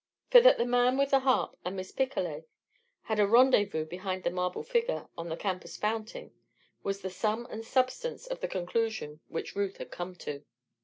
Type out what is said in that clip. For that the man with the harp and Miss Picolet had a rendezvous behind the marble figure on the campus fountain was the sum and substance of the conclusion which Ruth had come to.